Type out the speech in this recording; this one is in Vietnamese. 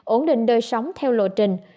ổn định đời sống theo lộ trình